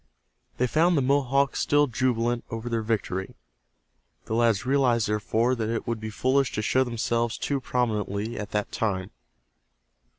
They found the Mohawks still jubilant over their victory. The lads realized, therefore, that it would be foolish to show themselves too prominently at that time.